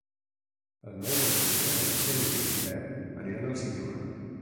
El nou d'octubre na Xènia i en Pep aniran al cinema.